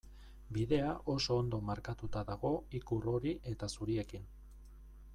Bidea oso ondo markatuta dago ikur hori eta zuriekin.